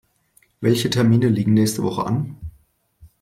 Welche Termine liegen nächste Woche an?